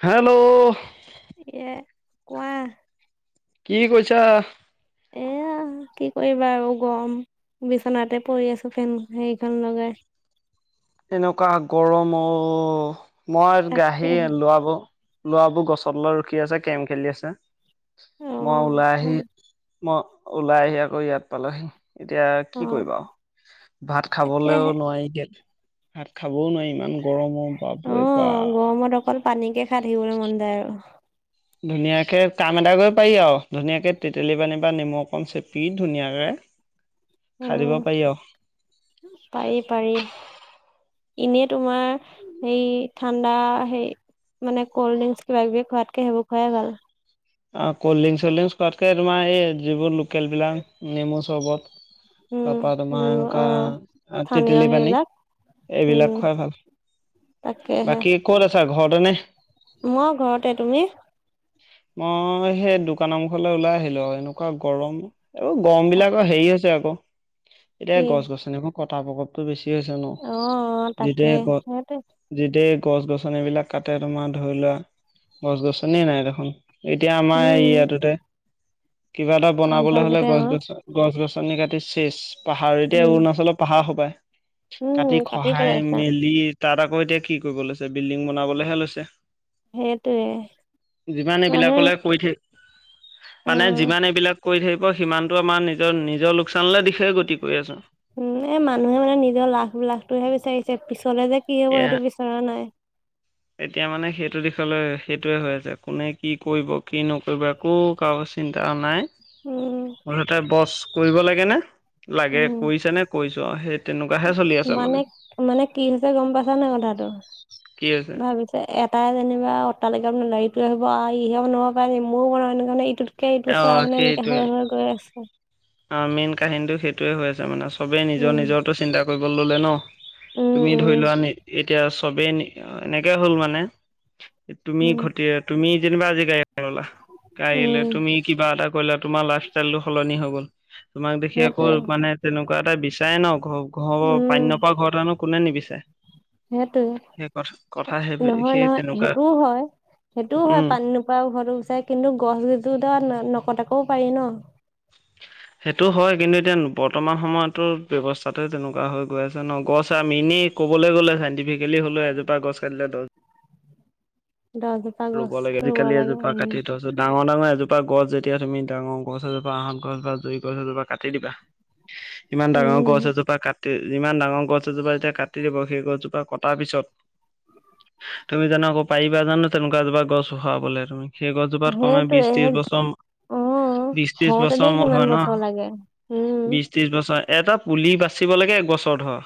Hello. এ, কোৱা। কি কৈছা। এয়া কি কৰিবা আৰু গৰম, বিচনাতে পৰি আছো ফেন হেৰিখন লগাই। [unintelligible] এনেকুৱা গৰমো, মই তাকেহে গাাহীৰ লোৱাব। লৰাবোৰ গছত লৈ ৰখি আছে কেম খেলি আছে, অ মই ওলাই আহি। মই ওলাই আহি আকৌ ইয়াত পালোহি। এতিয়া অ কি কৰিবা, ভাত তাকেহে খাবলৈও নোৱাৰিতি ভাত খাই। খাবও নোৱাৰি ইমান গৰমৰ বাব অ বা। গৰমত অকল পানীকে খাই থাকিবলৈ মন যায় আৰু। ধুনীয়াকে কাম এটা কৰিব পাৰি আৰু ধুনীয়াকে তেতেলী পানী বা নেমু অকণ চেপি ধুনীয়াকে। [unintelligible] দিব উম, পাৰি আৰু, পাৰি পাৰি। এনেই তোমাৰ, সেই ঠাণ্ডা হেই। মানে ক'ল্ড ড্ৰিংকছ কিবা কিবি খোৱাতকে সেইবোৰ খুৱাইাই গাল। অ কল্ড ড্ৰিং চলড্ৰিং খোৱাতকে তোমাৰ এই যিবোৰ লোকেল বিলাক নেমু চৰ্বত। তাৰ পৰা উম তোমাৰ অ এনেকুৱা স্থানীয় টেটেলী পানী। সেইবিলাক উম এইবিলাক খুৱাই ভাল তাকেহে। বাকী ক'ত আছা ঘৰতে নে? মই ঘৰতে। তুমি? মই সেই দোকানৰ মুখলৈ ওলাই আহিলো এনেকুৱা গৰম। এই গৰম বিলাক হেৰি আ হৈছে আকৌ, এতিয়া কি গছ গছনিকৌ কটা প্ৰকটো বেছি। ঠ আছে ন অ অ তাকে যেতিয়া সেইটোৱে যেতিয়া। গছ গছন এই বিলাক কাটে তোমাৰ ধৰি লোৱা গছ গছনিয় নাই দেখোন। এতিয়া আমাৰ উম ইয়াটোতে। কিবা এটা বনাবলৈ হলে অন্ধলটোতে গছ অ গছ গছ গছনি কাটি চেচ। পাহাৰ এতিয়া উম অৰুণাচলত পাহাৰ সোপায়, উম কাটি খহাই পেলাইছে মেলি। তাত আকৌ এতিয়া কি কৰিব লৈছে বিল্ডিং বনাবলৈহে লৈছে। সেইটোৱে। মানুহে এইবিলাকলে কৈ থাক, মানে উম যিমান এইবিলাক। কৰি থাকিব সিমানটো আমাৰ নিজৰ নিজৰ লোকচানলৈ দিশে গতি কৰি আছোঁ। উম এ মানুহে মানে নিজৰ লাখ বিলাসটোহে বিচাৰিছে পিছ। চলে যে কি হব এতিয়া সেইটো বিচৰা নাই। এতিয়া মানে সেইটো দিশলৈ সেইটোয়ে হৈ আছে কোনে কি কৰিব কি নকৰিব একো কাৰজ চিন্তা নাই। উম মুঠতে বছ কৰিব লাগে নে লাগে উম কৰিছে নে কৰিছো আও সেই তেনেকুৱাহে চলি আছে মানে মানে কি হৈছে গম পাইছ নে কথাটো কি হৈছে ভাবিছে এটা যেনিবা অট্টালিকা ইটোৱে ভাবিব আও ইহে বনাব পাৰে নি ময়ো বনাও এইটো কাৰণে ইটোট কে ইটো অ চৰা মানে এনেকে সেইটোৱে হৈ হৈ গৈ আছে। অ মেইন কাহিনীটো সেইটোৱে হৈ আছে মানে চবেই নিজৰ উম নিজৰটো চিন্তা কৰিবলৈ ললে ন। উম তুমি ধৰি উম লোৱা এতিয়া চবেই এনেকে হ'ল মানে তুমি উম ঘতি তুমি যেনিবা আজি গাড়ী এখন ললা কাইলে উম তুমি কিবা এটা কৰিলে তোমাৰ লাইফষ্টাইলটো সলনি হৈ গ'ল। তোমাক দেখি আকৌ সেইটোৱে মানে তেনেকুৱা এটা বিচাৰে ন ঘৰ ঘৰৰ উম পানী নপৰা ঘৰ কোনে নিবিচাৰে। সেইটোৱে সেই কথা কথা সেই নহয় সেই নহয় তেনেকুৱা সেইটোও হয়। সেইটোও হয় উম পানী নপৰা ঘৰটো বিচাই কিন্তু গছ গজোৰত নকটাকো পাৰি ন। [inaudible] সেইটো হয় কিন্তু এতিয়া বৰ্তমান সময়তো ব্যৱস্থাতে তেনেকুৱা হৈ গৈ আছে ন গছ আৰু মিনিট ক'বলৈ গ'লে চাইণ্টিফিকেলি হ'লেও এজোপা গছ কাটিলে দহজোপা ৰুব গছ লাগে আজিকালি লাগে এজোপা উম কাটি থৈছো দাম ন ডাঙৰ এজোপা গছ যেতিয়া তুমি ডাঙৰ গছ এজোপা আঁহত গছ বা জুই গছ এজোপা কাটি দিবা ইমান ডাঙৰ উম গছ এজোপা কাট যিমান ডাঙৰ গছ এজোপা যেতিয়া কাটি দিব, সেই গছজোপা কটাৰ পিছত তুমি যোনো আকৌ পাৰিবা জানো তেনেকুৱা এজোপা গছ হৰাবলে তুমি সেই গছজোপাত কমে বিশ সেইটোৱে ত্ৰিশ বছৰ অ বিছ ত্ৰিশ হওঁতেনে বছৰ মোৰ কিমান হয় ন বছৰ লাগে উম বিছ ত্ৰিশ বছৰ এটা পুলি বাচিব লাগে এক বছৰ ধৰ,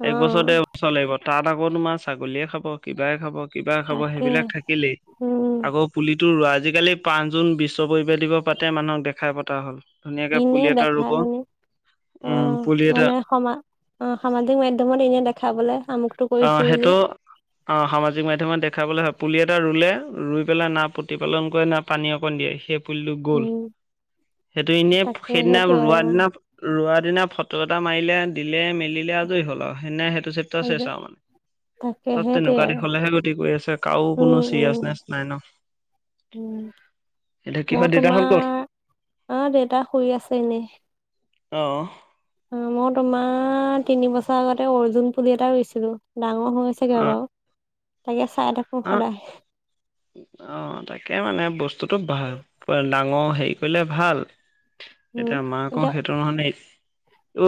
অ একবছৰ ডেৰ বছৰ লাগিব। তাত আকৌ তোমাৰ ছাগলীয়ে খাব কিবাই খাব কিবাই খাব তাকে সেইবিলাক উম আকৌ পুলিটো আজিকালি পাঁচ জুন বিশ্ব পৰিবেশ দিৱস পাতে মানুহক দেখাই পতা হ'ল। ধুনীয়াকে এনে পুলি এটা ৰুব দেখাই পিনি অ উম পুলি এটা মানে সমা অ সামাজিক মাধ্যমত এনে দেখাবলে আমুকটো অ কৰিছো বুলি। সেইটো অ সামাজিক মাধ্যমত দেখ খাবলে হয় পুলি এটা ৰুলে ৰুই পেলাই না প্ৰতিপালন কৰে না পানী অকণ দিয়ে। সেই পুলিটো গ'ল, উম সেইটো এনেয় তাকে সেইদিনা সেইটোৱে ৰোৱাৰ আৰু দিনা ৰোৱা দিনা ফটো এটা মাৰিলে দিলে মে আজৰি হ'ল আৰু সেনে সেইটো চেপটাৰ চেচ আৰু মানে তাকে চব সেইটোৱে তেনেকুৱা দিশ আৰু হলেহে গতি কৰি আছে কাৰো কোনো উম উম চিৰিয়াচনেছ নাই ন উম এতিয়া কি মই হয় দেউতাহঁত তোমাৰ ক'ত আ দেউতাক শুই আছেনে এনে অ অ মই তোমাৰ তিনিবছৰ আগতে অৰ্জুন পুলি এটা ৰুছিলো ডাঙৰ হৈ আছেগে অ বাৰু তাকে চাই থাকো অ সদায় অ তাকে মানে বস্তুতটো ভাল ডাঙৰ অ হেৰি কৰিলে ভাল উম এতিয়া আমাৰ আক এতিয়া সেইটো নহয় ন ঐ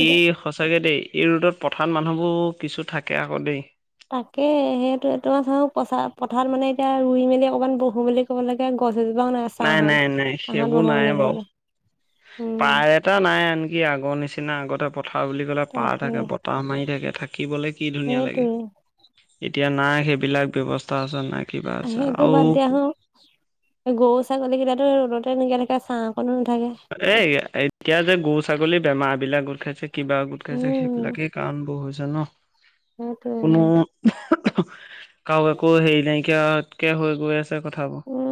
ই এতিয়া সঁচাকে দেই এই ৰ'দত পথাৰত মানুহবোৰ কিছু থাকে আকৌ দেই তাকে সেইটোয়ে চা পা পথাৰত মানে এতিয়া ৰুই মেলি অকমান বহো বুলি ক'ব লাগে গছ নাই চাহত নাই নাই চাহঁত সেইবোৰ বহো নাই বুলি বাৰু কবলে উম পাৰ এটা নাই আনকি আগৰ নিচিনা আগতে প পথাৰ বুলি ক'লে পাৰ তাকে থাকে বতাহ মাৰি থাকে থাকিবলৈ কি ধুনীয়া লাগে সেইটোৱে এতিয়া নাই সেইবিলাক ব্যয়ৱস্থা নাই কিবা আছে সেইটো আৰু বাদ দিয়া হোণ গৰু ছাগলী কেইটো ৰ'দতে এনেকা থাকে ছা অকণো এই এতিয়া যে গৰু ছাগলী বেমাৰ বিলাক গোট খাইছে- কিবা গোট খাইছে উম সেইবিলাকেই কাৰণবোৰ হৈছে ন সেইটোৱে আৰু। কোনো- কাৰো আকৌ হেৰি নাইকিয়া কে হৈ গৈ আছে- কথাবোৰ উম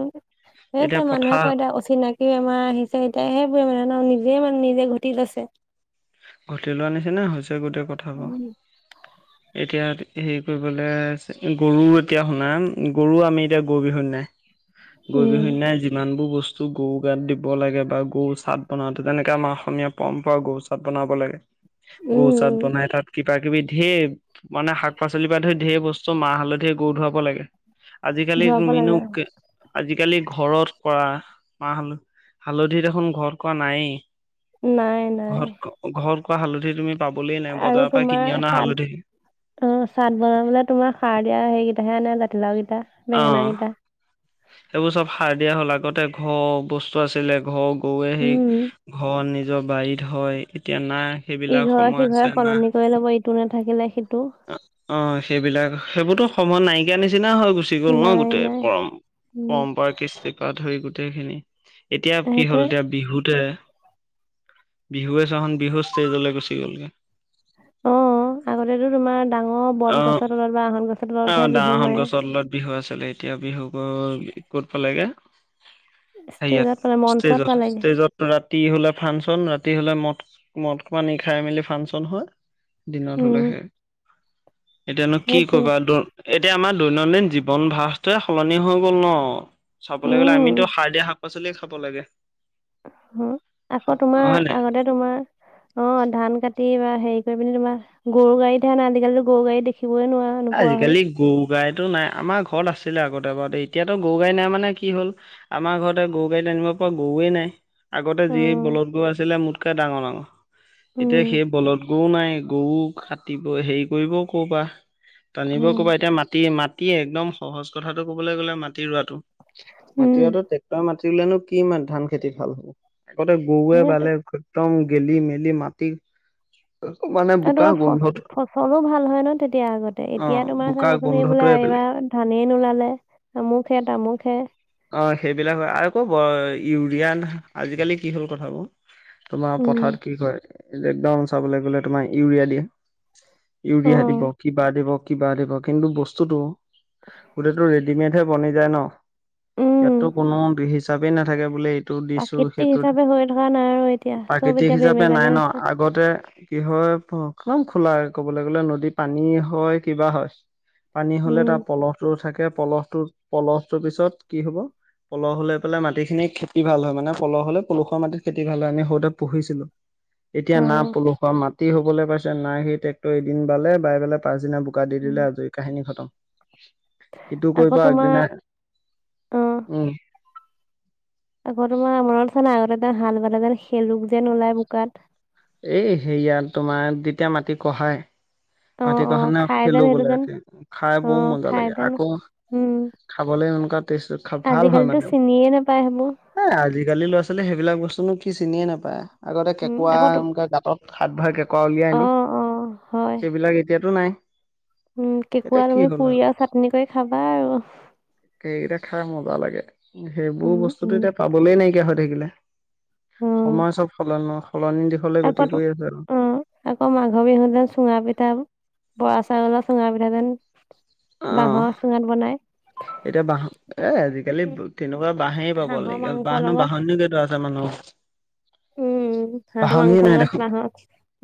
সেই ত এতিয়া মানুহে ক পথাৰ এতিয়া অচিনাকি বেমাৰ আহিছে- তাইহে পৰি মানে ন নিজে মানে নিজে ঘটিত আছে- ঘটি লোৱা নিচিনা হৈছে গোটেই কথাাবোৰ এতিয়া- হেৰি কৰিবলৈ গৰু এতিয়া শুনা গৰু আমি এতিয়া গৰু বিহুত নাই- গৰু বিহুৰ উম, দিনা যিমান বোৰ বস্তু- চ গৰু গাত দিব লাগে বা গৰু চাত বনাওঁতে তেনেকে আমাৰ অসমীয়া পৰম্পৰা গৰু চ- চাত বনাব লাগে গৰু উম, বনাই তাত - কিবা কিবি ঢেৰ মানে শাক পাচলিৰ পৰা ধৰি ঢেৰ বস্তু মাহ হালধিৰে গৰু ধুৱাব লাগে- আজিকালিৰ ধুৱাব মিনু লাগে। আজি- আজিকালি ঘৰত কৰা মাহ হালধি হালধি দেখোন ঘৰত কৰা নায়েই- নাই নাই- ঘৰত ঘৰত কৰা হালধি তুমি- পাবলেই নাই আৰু বজাৰৰ পৰা তোমাৰ কিনি অনা চাল- হালধি অ চাদ বনাবলে তোমাৰ সাৰ দিয়া সেইকেইটাকে আনে জাতিলাও কেইটা বেঙেনা অ কেইটা- সেইবোৰ চব সাৰ দিয়া হ'ল আগতে ঘৰ বস্তু আছিলে ঘৰ- কৌৱে সেই উম, ঘৰ নিজৰ বাৰীত হয় এতিয়া নাই- সেইবিলাক ইঘৰে সময় সিঘৰে সলনি কৰি লব ইটো নাথাকিলে সি- অ অ সেইবিলাক সেইবোৰতো সময় নাইকিয়া নিচিনা- নিচিনা হৈ গুচি গ'ল ন নাই গোটেই নাই। পৰম উম, পৰম্পৰা কৃষ্টিপা ধৰি গোটেইখিনি- এতিয়া কি হ'ল সেইটোৱে এতিয়া বিহুতে- বিহুৱে চোৱা চোন বিহু ষ্টেজলৈ গুচি গ'লগে- অ আগতেতো তোমাৰ ডাঙৰ বত গছৰ তলত বা আহত গছ আহত ডাঙৰখন গছৰ তলত বিহু আছিলে এতিয়া বিহু গ'ল ক'ত পালেগে- ষ্টেজত পালে হেয়াত মঞ্চত ষ্টেজত পালেগে ষ্টেজত ৰাতি হলে ফাংচন ৰাতি- ৰাতি হলে মদ মদ নি খাই মেলি ফাংচন হয়- দিনত উম হলেহে এতিয়ানো কি সেইটোৱে কৰিবা এতিয়া আমাৰ- দৈনন্দিন জীৱন ভাসটোৱে সলনি হৈ গ'ল ন চাবলৈ গ'লে উম। আমিতো সাৰ দিয়া- পাচলিয়ে খাব লাগে- হ আকৌ অ তোমাৰ হয় নাই আগতে তোমাৰ অ ধান কাটি- তি বা হৰি পি তোমাৰ গৰু গাড়ীহে আজিকালিতো গৰু গাডী দেখি- আজিকালি গৰু গাইতটো নাই আমাৰ ঘ- ঘৰত আছিলে আগতে বাৰ এতিয়াতো গৰু গাড়ী নাই মানে কি হ'ল আমাৰ ঘৰতে গৰু গাড়ীত আনিব পৰা গৰুৱে নাই- আগতে অ যি বলধ গৰু আছিলে মোতকে ডাঙৰ ডাঙৰ- এতিয়া উম সেই বলত গৰু নাই গৰু কাটিব হেৰি কৰিব- ক'বা টানিব উম কৰ'বা এতিয়া মাটি মাত- তি একদম সহজ কথাটো ক'বলৈ গ'লে মাটি ৰোৱাটো মাটি উম ৰোৱাটো ট্ৰেক্টৰ মাটি- বোলেনো কি ধান খেতি ভাল হ'ব আগতে গৰুৱে সেইটো বালে একদম- গেলি মেলি মাটি- মানে আৰু বোকা তোমাৰ ফ গোন্ধটো ফচলো ভাল হয় ন তেতিয়া আগতে - তে এতিয়া অ' তোমাৰ বোকা চাবাচোন এই বোলে গোন্ধটোৱে বেলেগ। এইবাৰ ধানেই নোলালে আমুখে তামুখে- অ সেইবিলাক হয় আৰু ক ইউৰিয়ান আজিকালি কি হ'ল কথাবোৰ- তোমাৰ উম পথাৰত কি ক একদউন চাবলৈ গ'লে তোমাৰ ইউৰিয়া দিয়ে- অ ইউৰিয়া দিব কিবা দিব কিবা দিব কিন্তু বস্তুতটো- গোটেইটো ৰেডিমেডহে বনি যায় ন- ইয়াতো উম কোনো হিচাপেই নাথাকে বোলে এইটো দিছোঁ প্ৰাকৃতিক সেইটো- হিচাপে হৈ থকা নাই আৰু এতিয়া চব প্ৰাকৃতিক এতিয়া হিচাপে বেমেজালি নাই ন হৈছে আগতে কি হয়- একদম খোলা কবলৈ গ'লে নদীৰ পানী হয় কিবা হয়- পানী হলে তাৰ উম পলহটো থাকে পলহটো পলহটোৰ পিছত কি হব? পলহ হ'লে পেলাই মাটিখিনি খেতি ভাল হয় মানে পলহ হলে পলসুৱা মাটিত খেতি ভাল হয় আমি সৰুতে পঢ়িছিলো। এতিয়া অ না পলসুৱা মাটি হবলৈ পাইছে নাই সেই ট্ৰেক্টৰ এদিন বালে বাই পেলাই পাছদিনা বোকা দি দিলে উম। আজৰি কাহিনী খতম সিটো আকৌ কৰিব তোমাৰ আগদিনা। অ উম আগৰ তোমাৰ মনত আছে নাই আগতে এ হাল বালে যেন শেলুক যেন ওলাই বোকাত এই সেয়া তোমাৰ যেতিয়া মাটি কঢহাই অ মাটি অ কখহাই খাই শেলো যেন সেইটো বোলে যেন খাই অ বৰু মজা খাই লাগে যেন আকৌ উম খাবলৈ এনেকুৱা টেষ্ট ভাল হয় আজিকালিতো মানে চিনিয়ে নোপায় সেইবোৰ এ আজিকালি ল'ৰা ছোৱালী সেইবিলাক বস্তু তুনো কি চিনিয়ে নাপায়। আগতে উম কেঁকুৱা আকৌ তো এনেকে গাঁতত হাত ভৰাই কেঁকুৱা উলিয়াই অ আনি অ হয় সেইবিলাক এতিয়াতো নাই। উম এতিয়া কেঁকুৰা কি তুমি হ'ল আৰু পুৰিয়া চাটনি কৰি খাবা আৰু। সেইকেইটা খাই মজা লাগে সেইবোৰ উম বস্তুতটো উম এতিয়া পাবলে নাইকিয়া হৈ থাকিলে। উম সময় চব সলনি সলনি দিশলৈ আকৌ গতি তো কৰি আছে আৰু অ আকৌ মাঘৰ বিহুত যে চুঙা পিঠা বৰা চাউল চুঙা পিঠা যেন অ বাঁহৰ চুঙাত বনাই এতিয়া বাহ এ আজিকালি উম, তেনেকুৱা বাঁহে পাবলে হাঁহৰ নাইকীয়া হয় গল। মাংসৰ বাঁহ লগত বাহনীও কেইো আছে মানুহ উম হাঁহৰ বাহনিয়ে মাংসৰ নাই লগত দেখোন বাঁহৰ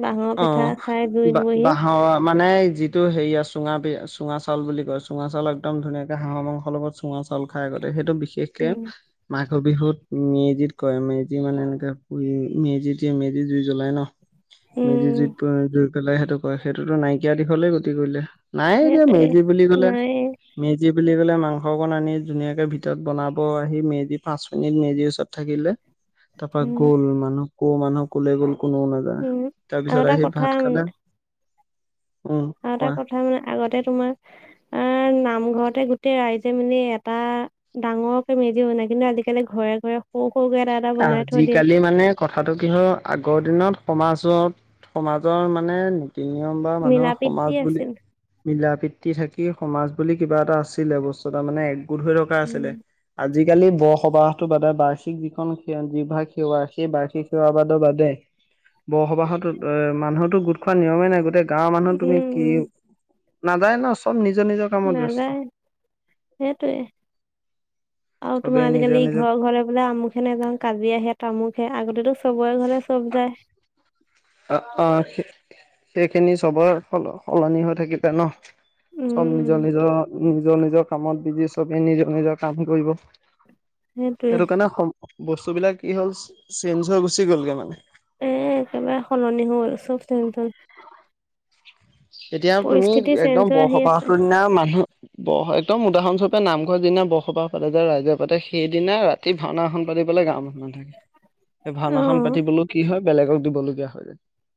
বাঁহৰ অ পিঠা খাই জুইত বহি বাঁহৰ মানে যিটো হেৰি আছ চুঙা চুঙাউল বুলি কয় চুঙাউল একদম ধুনীয়াে হাঁহৰ মাংস লগত চুঙা চাউল খাই আগতে সেইটো বিশেষকে উম মাক মাঘ। বিহুত মেজিত কয় মেজি মানে এনেকেু মেজি দিয়ে মেজি জুই জ্বলাই ন মেজি উম জুইত জুই পেলাই সেইটো ক সেইটোতো নাইকিয়া দিশলে গতি কৰিলে নাই এতিযয়া সেইটোৱে মেজি। বুলি ক'লে নাই মেজি। বুলি ক'লে মাংস অকণ আনি ধুনীয়াকে ভিতৰত বনাব আহি মেজি পাঁচ মিনিট মেজিৰ ওচৰত থাকিলে। তাৰপা উম গ'ল মানুহ কো মানুহ কলে গ'ল। কোননেও নাযায় উম তাৰ আৰু পিছত এটা আহি কথা ভাত মানে খালে। উম আৰু এটা কোৱা কথা মানে আগতে তোমাৰ [inaudible] আহ নামঘৰতে গোটেই ৰাইজে মেলি এটা ডাঙৰকে মেজি বনাই কিন্তু আজিকালি ঘৰে ঘৰে সৰু সৰুকে এটা এটা বনাই থৈ দিয়ে আজিকালি মানে কথাটো কি হল আগৰ দিনত সমাজত সমাজৰ মানে তিনি নম্বাৰ মিলা মানুহৰ প্ৰীতি সমাজ বুলি আছিল মিলা প্ৰীতি থ থাকি সমাজ বুলি কিবা এটা আছিলে বস্তু এটা মানে একগোট হৈ থকা উম আছিলে। আজিকালি বৰসবাহটো বাদে বাইছ কি যিখন স যিভাগ সেৱা সেই বাৰ্ষিক সেৱাবাদৰ বাদে [unintelligible] বসবাহতো এ মানুহতো গোট খোৱা নিয়মেই নাই গোটেই গাঁৱৰ মানুহ উম তুমি কি উম নাযায় ন চব নি নাযায় সেইটোৱে আৰু তোমাৰ চবেই নিজৰ আজিকালি এই নিজৰ ঘৰ ঘৰে বোলে আমুখ হে নাযাওঁ। কাজিয়া আহে ত আমুখে আগতেতো চবৰে ঘলে চব যায় অ অ সেইখিনি চবৰ স সলনি হৈ থাকিব ন। উম চব উম নিজৰ নিজৰ। নিজৰ নিজৰ কামত বিজি চবেই নিজৰ নিজৰ কাম কৰিব সেইটোৱে সেইটো কাৰণে সম বস্তু বিলাক কি হ'ল চেঞ্জ হৈ গুচি গ'লগে মানে। এ একেবাৰে সলনি হ'ল চব চন্তন এতিয়া তুমি চেঞ্জ একদম হৈ আহি আছে বৰসবাহৰ দিনা মানুহ। বৰ একদম উদাহৰণস্বৰূপে নামঘৰ দিনা বৰসবাহ পাতে যায় ৰাইজৰ পাতে সেইদিনা ৰাতি ভাওনাখন পাতিবলৈ গাম [unintelligible] ভাওনা খন থাকে সেই অ ভাওনাখন পাতিবলৈও কি হয় বেলেগক দিবলগীয়া হয়।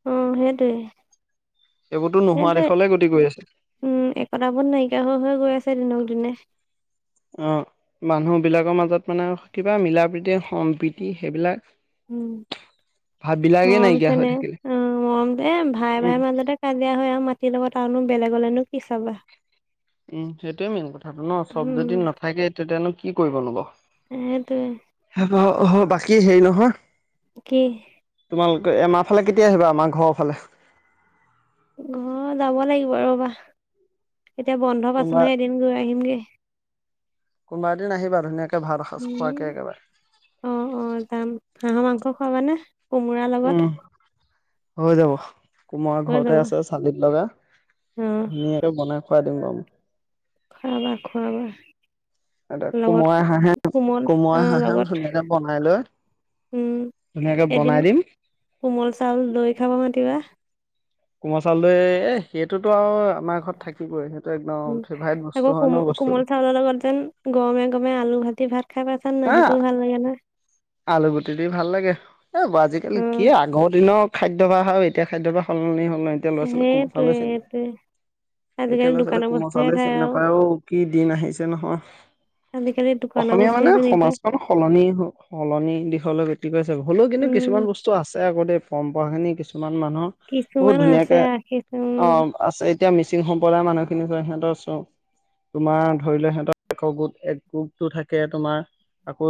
অ সেইটোৱে এইবোৰতো নোহোৱা সেইটোৱে দেশলে গতি কৰি আছে উম একতাবোধ নাইকিয়া হৈ হৈ গৈ আছে দিনক দিনে অ মানুহ বিলাকৰ মাজত মানে কিবা মিলা প্ৰীতি সম্প্ৰীতি সেইবিলাক [unintelligible] উম ভাববিলাকেই মৰম নাইকিয়া হৈ তেনে থাকিলে অ মৰম দে ভায়ে উম ভায়ে মাজতে কাজিয়া হয় আৰু মাতি লগত তাৰনো বেলেগলেনো কি চাবা [unintelligible] উম সেইটোৱে মেইন কথাটো ন চব উম যদি নাথাকে তেতিনো কি কৰিব নো বাও ত [unintelligible] অ বাকী হেৰি নহয় কি তোমালোকে আমাৰ ফালে কেতিয়া আহিবা আমাৰ ঘৰৰ ফালে ঘৰ যাব লাগিব ৰবা এতিয়া বন্ধ কোনোবা পাইছোঁহে এদিন গৈ আহিমগে কোনোবা দিন আহিবা ধুনীয়াকে ভাত এসাঁজ উম খোৱাকে একেবাৰে অ অ যাম হাঁহ মাংস খোৱাবানে কোমোৰাৰ লগত উম হৈ যাব কুমুৰা হৈ যাব ঘৰতে আছে চালিত লগা অ ধুনীয়াকে বনাই খোৱাই দিম খোৱাবা খোৱাবা এতি লগত কোমোৰা হাঁহে কোমল কোমোৰা অ হাঁহে লগত ধুনীয়াকে বনাই লৈ [unintelligible] উম ধুনীয়াকে এদিন বনাই দিম কোমল চাউল দৈ খাব মাতিবা কোমল চাউলদৈ এ সেইটো টো আৰু আমাৰ ঘৰত থাকিবই সেইটো একদম উম ফেভাইট আকৌ বস্তু হয় ন বস্তুটো [unintelligible] কমে আলু খ [unintelligible] হা আলু গুটি দি ভাল লাগে এই আজিকালি অ কি আগৰ দিনৰ খাদ্যভাস আৰু এতিয়া খাদ্যভাস সলনি হ'ল নাই এতিয়া ল'ৰা ছোৱালীয়ে কোমল সেইটোৱে চাউলে চিনি সেইটোৱে নাপায় এতিয় আজিকালি লৈৰা ছোৱালে দোকানৰ কোমল বস্তুহে চাউলে খায় চিনি নাপায় আৰু কি দিন আহিছে নহয় [unintelligible] আজিকালি দোকানৰ অসমীয়া মানে বস্তু আ সমাজখন সলনি সলনি দিশলৈ গতি কৰিছে হলেও কিন্তু উম কিছুমান বস্তু আছে দ পৰম্পৰা খিনি কিছুমান মানুহৰ বহুত কিছুমান আছে ধুনীয়াকে ৰাখিছো অ উম আছে এতিয়া মিচিং সম্প্ৰদায়ৰ মানুহখিনি সিহঁতৰও তোমাৰ ধৰি লোৱা সিহঁতৰ [unintelligible] এক গ্ৰুপটো থাকে তোমাৰ আকৌ